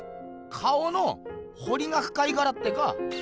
顔のほりがふかいからってか？